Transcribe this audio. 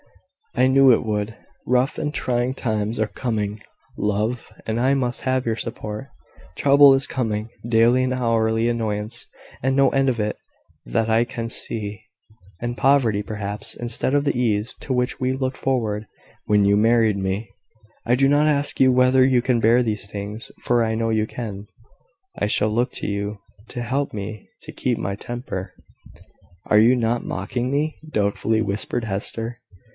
I knew it would. Rough and trying times are coming, love, and I must have your support. Trouble is coming daily and hourly annoyance, and no end of it that I can see: and poverty, perhaps, instead of the ease to which we looked forward when you married me. I do not ask you whether you can bear these things, for I know you can. I shall look to you to help me to keep my temper." "Are you not mocking me?" doubtfully whispered Hester.